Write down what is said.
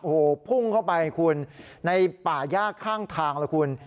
โอ้โหพุ่งเข้าไปคุณในป่าย่าข้างทางล่ะคุณ